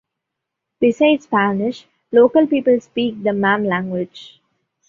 Beside Spanish, local people speak the Mam language.